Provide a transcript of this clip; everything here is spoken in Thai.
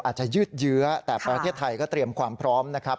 อาจจะยืดเยื้อแต่ประเทศไทยก็เตรียมความพร้อมนะครับ